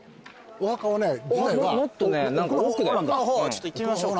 ちょっと行ってみましょう。